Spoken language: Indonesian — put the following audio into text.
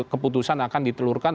keputusan akan ditelurkan